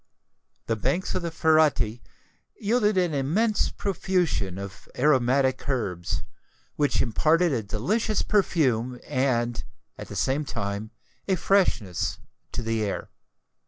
The banks of the Ferretti yielded an immense profusion of aromatic herbs, which imparted a delicious perfume and, at the same time, a freshness to the air.